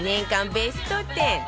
ベスト１０